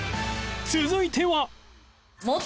続いては